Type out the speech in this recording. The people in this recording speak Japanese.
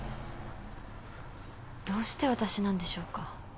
どうして私なんでしょうか？